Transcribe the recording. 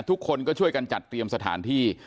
ทุกคนก็ช่วยกันจัดเตรียมสถานที่